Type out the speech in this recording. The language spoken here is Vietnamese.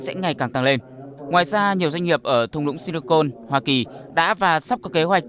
sẽ ngày càng tăng lên ngoài ra nhiều doanh nghiệp ở thùng lũng silicon hoa kỳ đã và sắp có kế hoạch